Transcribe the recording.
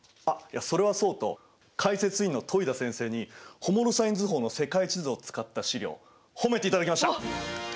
あっいやそれはそうと解説委員の戸井田先生にホモロサイン図法の世界地図を使った資料褒めていただきました！